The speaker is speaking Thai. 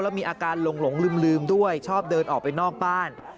แล้วมีอาการหลงลืมด้วยชอบเดินออกไปนอกบ้าน